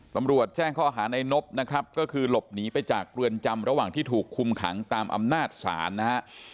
ตำรวจแจ้งข้อหาในนบนะครับก็คือหลบหนีไปจากเรือนจำระหว่างที่ถูกคุมขังตามอำนาจศาลนะฮะ